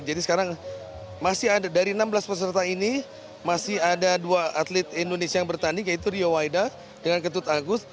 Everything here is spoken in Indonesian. jadi sekarang masih ada dari enam belas peserta ini masih ada dua atlet indonesia yang bertanding yaitu rio waida dengan ketut agus